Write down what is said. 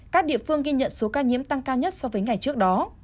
các địa phương ghi nhận số ca nhiễm tăng cao nhất so với ngày trước đó